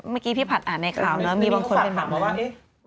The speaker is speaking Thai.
เมื่อกี้พี่ผัดอ่านในข่าวนะมีบางคนเป็นแบบมาว่า